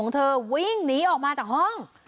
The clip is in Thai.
เธอวิ่งหนีออกมาจากห้อง